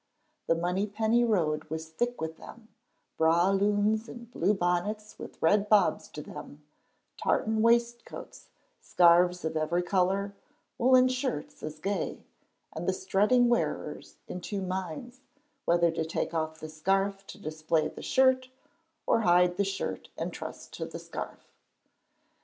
The Monypenny road was thick with them, braw loons in blue bonnets with red bobs to them, tartan waistcoats, scarves of every color, woollen shirts as gay, and the strutting wearers in two minds whether to take off the scarf to display the shirt, or hide the shirt and trust to the scarf.